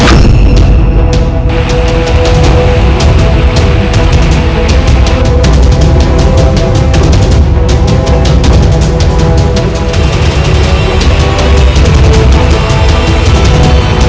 untuk membuat penyelamat kacak